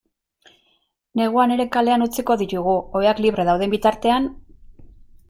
Neguan ere kalean utziko ditugu, oheak libre dauden bitartean?